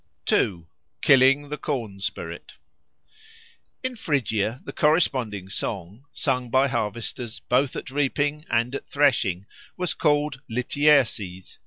2. Killing the Corn spirit IN PHRYGIA the corresponding song, sung by harvesters both at reaping and at threshing, was called Lityerses.